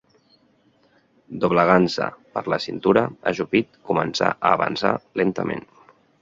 Doblegant-se per la cintura, ajupit, començà a avançar lentament